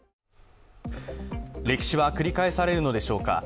歴史は繰り返されるのでしょうか。